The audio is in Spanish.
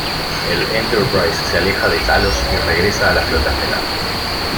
El "Enterprise" se aleja de Talos y regresa a la Flota Estelar.